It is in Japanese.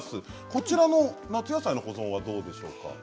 こちらの保存はどうでしょうか。